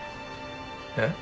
えっ？